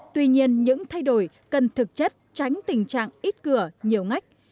tuy nhiên những thay đổi cần thực chất tránh tình trạng ít cửa nhiều ngách